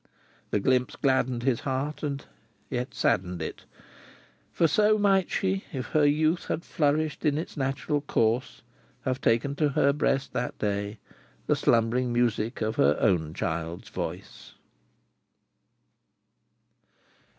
The glimpse gladdened his heart, and yet saddened it; for so might she, if her youth had flourished in its natural course, have taken to her breast that day the slumbering music of her own child's voice.